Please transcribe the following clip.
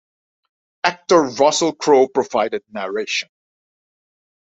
Actor Russell Crowe provided narration.